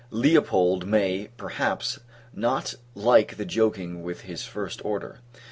Leopold may, perhaps, not like the joking with his first order.